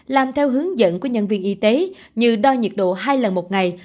làm theo hướng dẫn của nhân viên y tế như đo nhiệt độ hai lần một ngày